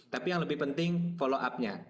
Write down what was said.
tapi yang lebih penting follow up nya